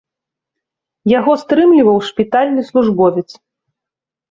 Яго стрымліваў шпітальны службовец.